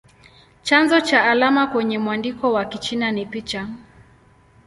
Chanzo cha alama kwenye mwandiko wa Kichina ni picha.